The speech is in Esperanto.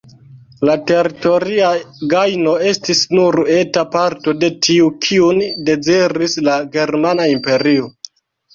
La teritoria gajno estis nur eta parto de tiu, kiun deziris la germana imperio.